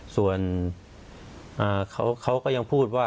ส่วนเขาก็ยังพูดว่า